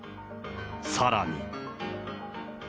さらに。